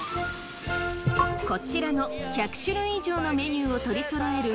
こちらの１００種類以上のメニューを取りそろえる